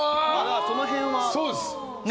その辺はね。